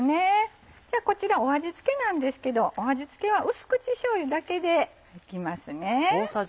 じゃあこちら味付けなんですけど味付けは淡口しょうゆだけでいきます。